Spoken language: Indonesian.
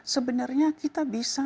sebenarnya kita bisa